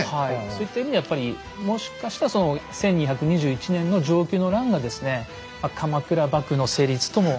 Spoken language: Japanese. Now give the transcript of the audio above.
そういった意味ではやっぱりもしかしたら１２２１年の承久の乱がですね鎌倉幕府の成立とも。